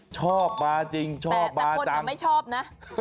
ชอบปลาจริงชอบปลาจังแต่คนก็ไม่ชอบนะ